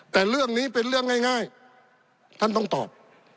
แต่เรื่องนี้เป็นเรื่องง่ายท่านต้องตอบ